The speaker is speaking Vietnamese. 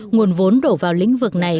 nguồn vốn đổ vào lĩnh vực này